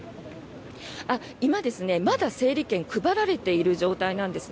今、まだ整理券が配られている状態なんです。